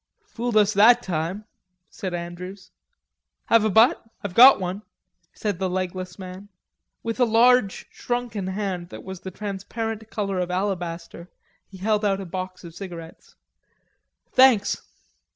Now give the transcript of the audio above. Fooled us that time," said Andrews. "Have a butt? I've got one," said the legless man. With a large shrunken hand that was the transparent color of alabaster he held out a box of cigarettes. "Thanks."